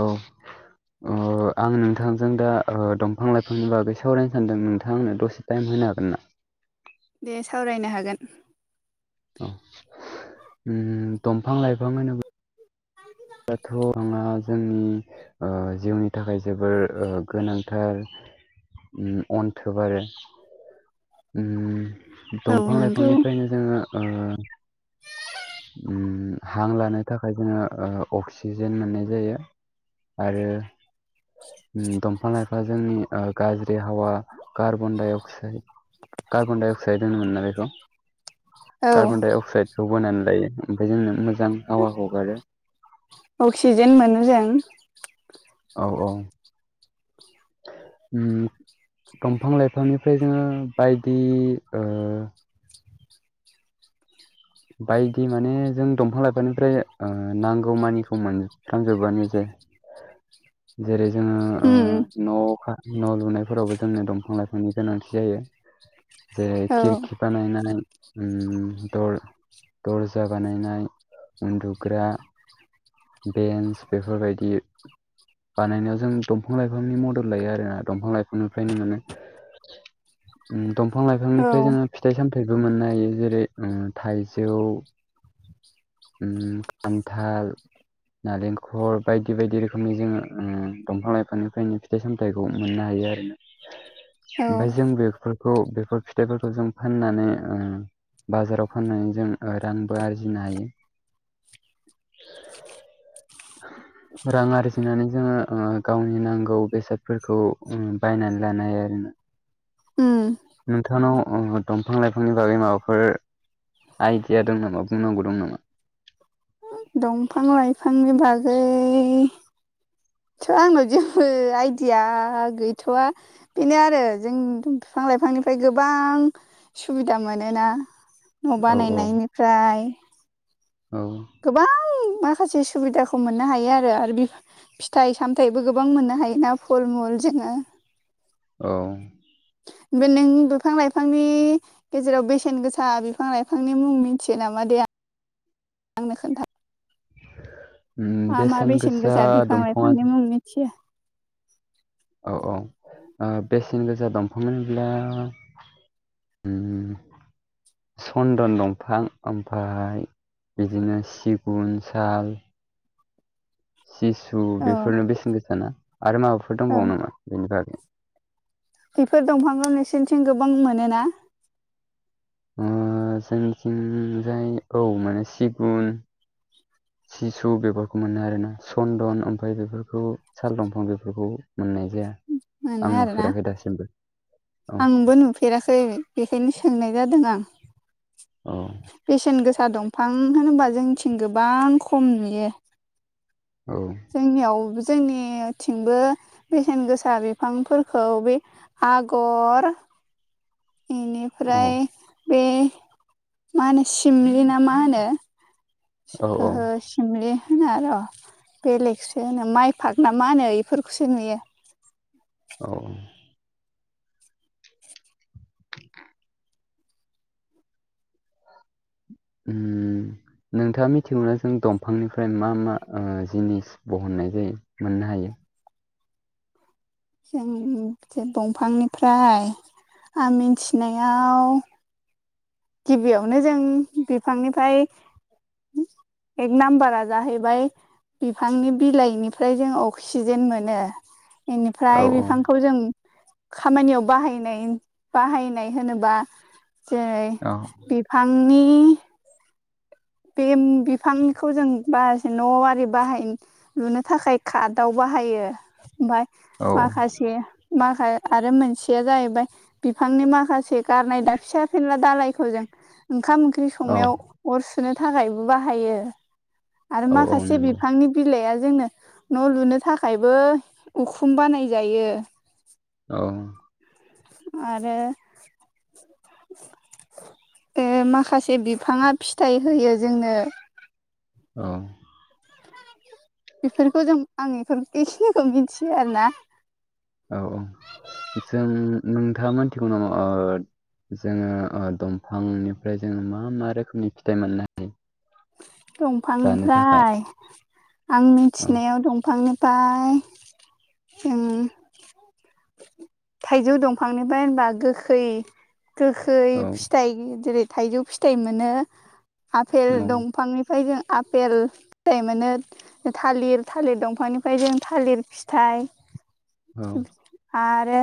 औ औ आं नोंथांजों दा दंफां लाइफांनि बागै सावरायनो सानदों नोंथां आंनो दसे टाइम होनो हागोन ना? दे सावरायनो हागोन औ दंफां लाइफां होनोबा दाथ' माबा जोंनि ओ जिउनि थाखाय जोबोर गोनांथार अन्थोब आरो ओम औ दंफां नंगौ लाइफांनिफ्रायनो। जोङो ओ हां लानो थाखाय जोङो ओ। अक्सिजेन मोननाय जायो आरो दंफां लाइफा जोंनि गाज्रि हावा कार्बन डाइ अक्साइड, कार्बनडाय अक्साइड होनो मोना बेखौ, औ कार्बन डाइ अक्साइदखौ बोनानै लायो ओमफ्राय जोंनो मोज अक्सिजेन मोनो जों। औ औ उम। दंफां लाइफांनिफ्राय जोङो बायदि ओ बायदि माने जों दंफां लाइफांनिफ्राय ओ नांगौ मानिखौ मोनफ्रामजोबोआनो जे जेरै जों उम खा न' लुनायफोरावबो जोंनो दंफां लाइफांनि गोनांथि जायो। जे औ खिरखि बानायनानै उम बे दर्जा बानायनाय उन्दुग्रा बेन्स बेफोरबायदि बानायनायाव जों दंफां लाइफांनि मदद लायो आरो दंफां लाइफांनिफ्रायनो मोनो। उम दंफां औ लाइफांनिफ्राय जोङो फिथाइ सामथायाइबो मोननो हायो। जेरै उम थाइजौ उम खान्थाल नालेंखल बायदि बायदि रोखो खोमै जोङो दंफां लाइफांनिफ्रायनो फिथाइ सामथाइखौ मोननो हायो आरोना। औ ओमफ्राय जों बेफोरखौ बेफोर फिथाइफोरखौ जों फाननानै उम बाजाराव फाननानै जों रांबो आरजिनो हायो। राङारि फुनानै जोङो ओ गावनि नांगौ बेसादफोरखौ बायनानै लानो हायो आरोना। उम नोंथांनाव ओ दंफां लाइफांनि बागै माबाफोर आइडिया दं नामा बुंनांगौ दं नामा? दंफां लाइफांनि बागै थ' आङो जेबो आइडिया गैथ'वआ। बेनो आरो जों बिफां लाइफांनिफ्राय गोबां सुबिदा मोनोना न' औ बानायनायनिफ्राय औ गोबां माखासे सुबिदाखौ मोननो हायो आरो। आरो बे फिथाइ सामथाइबो गोबां मोननो हायोना फल मुल जोङो। अ। उमफ्राय नों बिफां लाइफांनि गेजेराव बेसेन गोसा बिफां लाइफांनि मुं मिन्थियो नामा दे आंनो खोन्था मा मा बेसेन गोसा बिफां लाइफांनि मुं मिथियो। औ औ बेसेन गोसा दंफां होनोब्ला उम सन्दन दंफां ओमफफ्राय बिदिनो सिगुन साल सिसु औ बेफोरनो बेसेन गोसा ना आरो माबाफोर औ दंबावो नामा बेनि बागै? बेफोर दंफांखौ नोंसोरनिथिं गोबां मोनोना? ओ जोंनिथिंजाय औ माने सिगुन सिसु बेफोरखौ मोनो आरोना सन्दन ओमफ्राय बेफोरखौ साल दंफां बेफोरखौ मोननाय जाया। मोनो आं आरोना नुफेराखै दासिमबो अ। फेराखै बेखायनो सोंनाय जादों आं। औ बेसेन गोसा दंफां होनोबा जोंनिथिं गोबां खम नुयो। औ जोंनियाव जोंनिथिंबो बेसेन गोसा बिफांफोरखौ बे आगर बेनिफ्राय बे मा होनो सिमलिना मा होनो औ ओहो सोमलि होनो आरो, बेलेगसो होनो माइ फाग ना मा होनो इफोरखौसो नुयो। औ [inaudible] [inaudible] उम नोंथाङा मिथिगौना जों दंफांनिफ्राय मा मा जिनिस बहननाय जायो मोननो हायो। जों जे दंफांनिफ्राय आं मिथिनायाव गिबियावनो जों बिफांनिफ्राय [inaudible] एक नाम्बारा जाहैबाय बिफांनि बिलाइनिफ्राय जों अक्सिजेन मोनो औ इनिफ्राय बिफांखौ खौ जों खामानियाव बाहायनाय बाहायनाय होनोबा जेरै [inaudible] बिफांनि बे बिफांखौ जों बाखासे न' आरि बाहायनो लुनो थाखाय कारटाव बाहायो ओमफ्राय औ माखासे माखा आरो मोनसेया जाहैबाय बिफांनि माखासे गारनाय दा फिसा फेनला दालायखौ जों ओंखाम ओं ओंख्रि औ संनायाव अर सुनो थाखायबो बाहायो आरो औ औ माखासे नंगौ बिफांनि बिलाइआ जोंनो न' लुनो थाखायबो उखुम बानायजायो। औ। आरो ए माखासे बिफाङा फिथाइ होयो जोंनो। औ बेफोरखौ जों आं बे बेखिनिखौ मिथियो आरो ना औ औ जों नोंथाङा मानथिगौ नामा ओ जोङो ओ दंफांनिफ्राय जोङो मा मा रोखोमनि फिथाइ मोननो हायो? जानो थाखाय दंफांनिफ्राय आं औ मिथिनायाव दंफांनि फाय उम थाइजौ दंफांनिफ्राय होनबा गोखै गो खै औ फिथाइ जेरै थाइजौ फिथाइ मोनो आफेल औ दं दफांनिफ्राय जों आफेल फिथाइ मोनो थालिर थालिर दंफांनिफ्राय जों थालिर फिथाइ औ आरो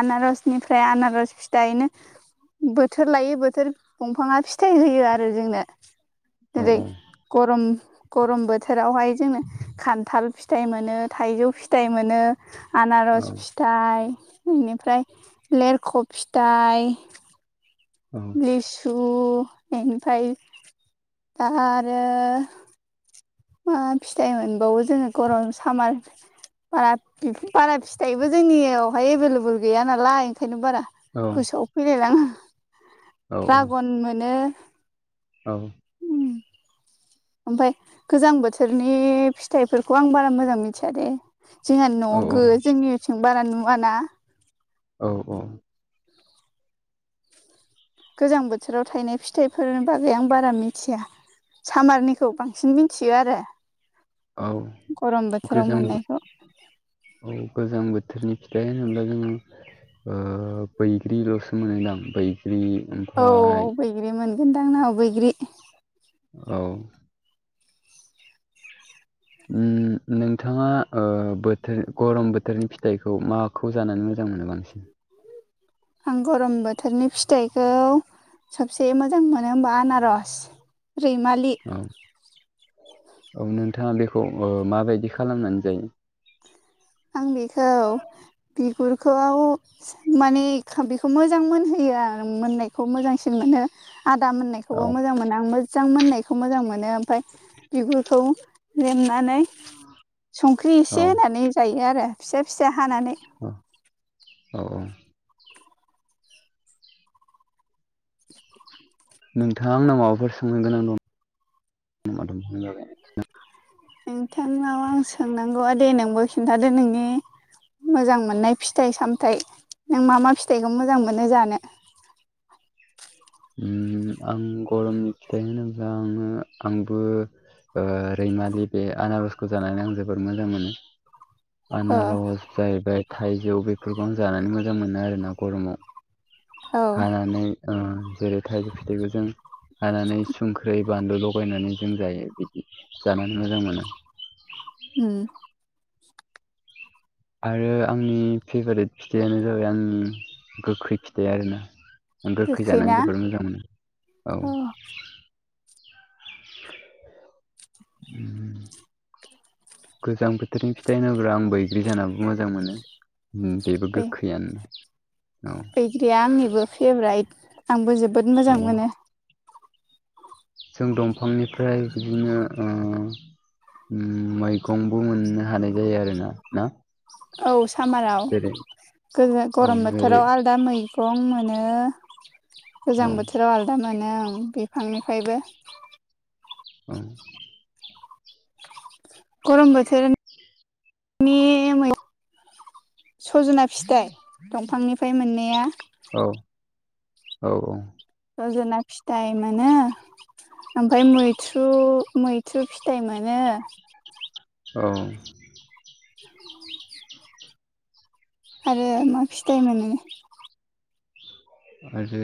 आनारसनिफ्राय आनारस फिथाइनो बोथोर लायो बोथोर दंफाङा फिथाइ होयो आरो जोंनो। जेरै गरम गरम बोथोरावहाय जोङो खान्थाल फिथाइ मोनो थाइजौ फिथाइ मोनो। औ आनारस फिथाइ बेनिफ्राय लेरख' फिथाइ औ लिसु एनिफ्राय दा आरो मा फिथाइ मोनबावो जोङो गरम सामार बारा बारा फिथाइबो जोंनियावहाय एभेलेबेल गैया नालाय ओंखायनो बारा औ गोसोआव फैलायलाङा औ द्रागन मोनो औ ओमफाय गोजां बोथोरनि फिथाइफोरखौ आं बारा मोजां मिथिया दे जोंहा न'आव गो जोंनिथिं बारा नुवाना औ औ। गोजां बोथोराव थायनाय फिथाइफोरनि बागै आं बारा मिथिया सामारनिखौ बांसिन मिथियो आरो औ गरम बोथोराव गोजां बो- मोननायखौ औ गोजां बोथोरनि फिथाइ होनोबोब्ला जोङो ओ बैग्रिल'सो मोनोदां बैग्रि औ ओमफ्राय बैग्रि मोनगोनदां अ बैग्रि औ उम नोंथाङा ओ बोथोर गरम बोथोरनि फिथाइखौ मा माखौ जानानै मोजां मोनो बांसिन? आं गरम बोथोरनि फिथाइखौ सबसे मोजां मोनो होमबा आनारस रिमालि औ औ नोंथाङा बेखौ माबायदि खालामनानै जायो। आं बेखौ बिगुरखौ माने बेखौ मोजां मोनहोयो आरो मोननायखौ मोजांसिन मोनो आदा मोननायखौ औ थखौबो मोजां मोनो आं मोजां मोननायखौ मोजां मोनो ओमफफ्राय बिगुरखौ लेमनानै संख्रि औ एसे होनानै जायो आरो फिसा फिसा हानानै औ औ औ। नोंथाङा आंनाव माबाफोर सोंनो गोनां दं? नोंथांनाव आं सोंनांगौआ दे नोंबो खिन्थादो नोंनि मोजां मोननाय फिथाइ सामथायाइ नों मा मा फिथाइखौ मोजां मोनो जानो आं गरमनि फिथाइ होनोब्ला आङो आंबो रैमालि बे आनारसखौ जानानै आं जोबोर मोजां मोनो ओ आनारस जाहैबाय थाइजौ बेफोरखौ आं जानानै मोजां मोनो आरोना गरमाव औ हानानै जेरै थाइजौ फिथाइखौ जों हानानै संख्रै बान्दु लगायनानै जों जायो बिदि जानानै मोजां मोनो ओम आरो आंनि फेभारेट फिथाइयानो जाबाय आंनि गोखै फिथाइ आरोना गोखै जानानै जोबोद मोजां मोनो औ उ गोजां बोथोरनि फिथाइ होनोब्ला आं बैग्रि जानाबबो मोजां मोनो। बेबो गोखैयानो औ बैग्रिया आंनिबो फेभ्राइट आंबो जोबोद मोजां मोनो। जों दंफांनिफ्राय बिदिनो मैगंबो मोननो हानाय जायो आरोना ना? औ सामाराव जेरै औ गरम जेरै बोथोराव आल दा मैगं मोनो औ गोजां बोथोराव आलदा दा मोनो आं बिफांनिफ्रायबो औ। गरम बोथोर सजना फिथाइ दंफांनिफ्राय मोननाया औ औ औ। सजना फिथाइ मोनो ओमफफ्राय मैथ्रु मैथ्रु फिथाइ मोनो औ [inaudible] आरो मा फिथायाइ मोनोो आरो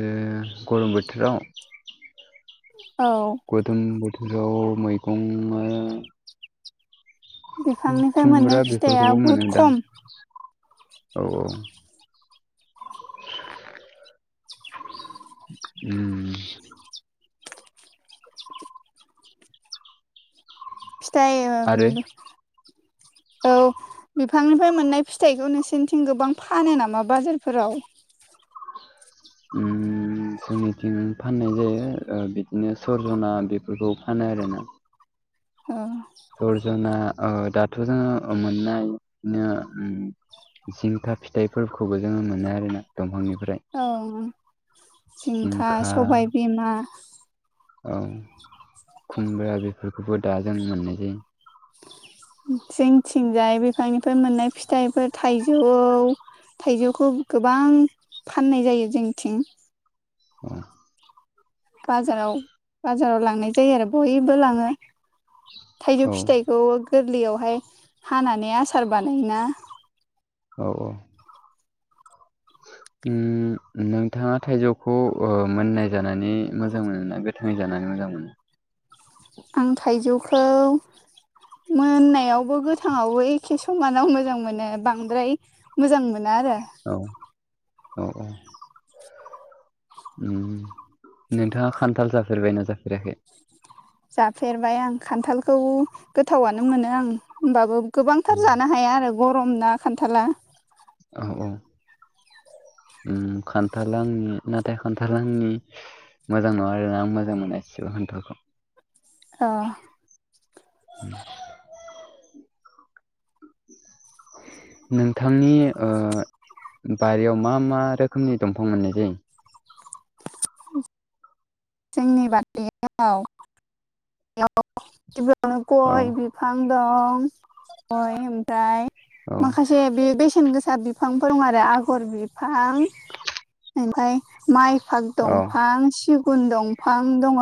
गरम बोथोराव औ गोदोम बोथोराव मैगंआ बिफांनिफ्राय मोननाय खुमब्रा फिथाइया बेफोरखौबो बुहुद मोनोदां खम औ औ उ आरो फिथाइ औ बिफांनिफ्राय मोननाय फिथाइखौ नोंसोरनिथिं गोबां फानो नामा बाजारफोराव [inaudible] जनिथिं फाननाय जायो बिदिनो सरजना बेफोरखौ फानो आरोना [inaudible] दर्जना दाथ' जोङो मोननाय बिनो जिंथा फिथाइफोरखौबो जोङो मोनो आरोना दंफांनिफ्राय औ जिंखा सबाय बिमा औ खुमब्रा बेफोरखौबो दाजों मोननायसायो जंथिंजाय बिफांनिफ्राय मोननाय फिथाइफोर थाइजौ थाइजौखौ गोबां फाननाय जायो जोंनिथिं [inaudible] बाजाराव बाजाराव लांनाय जायो आरो बयबो लाङो थाइजौ औ फिथाइ थ गोरलैयावहाय हानानै आसार बानायोना औ औ [inaudible] नोंथाङा थाइजौखौ मोननाय जानानै मोजां मोनो ना गोथाङै जानानै मोजां मोनो आं थाइजौखौ मोननायावबो गोथाङावै एखे समानाव मोजां मोनो बांद्राय मोजां मोनो आरो औ औ औ नोंथाङा खान्थाल जाफेरबायना जाफेराखै जाफेरबाय आं खान्थालखौ गोथावनो मोनो आं होमबाबो गोबांथार औ जानो हाया आरो गरम ना खान्थाला औ औ खान्थाल आंनि नाथाय खान्थाल आंनि मोजां नङा आरोना आं मोजां मोना एासबो खान्थालखौ [inaudible] [inaudible] नोंथांनि बारियाव मा मा रोखोमनि दंफां मोननाय जायो जोंनि बाथयाव गबियावनो गय औ बिफां दं गय ओमफ्राय औ एसे बे बेसेन गोसा बिफांफोर दं आरो आगर बिफां ओमफफ्राय माइ फाग दंफां सिगुन दंफां दङ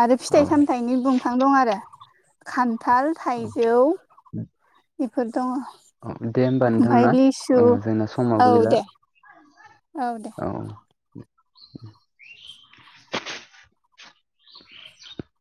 आरो फिथाइ औ सामथायाइनि दंफां दं आरो खान्थाल औ थाइजौ बेफोर दङ औ दे होमबा नोंथां ओमफफ्राय ना? लिसु ओ जोंना औ समाबो गैला दे औ द औ [inaudible]